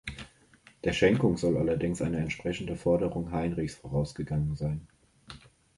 Der Schenkung soll allerdings eine entsprechende Forderung Heinrichs vorausgegangen sein.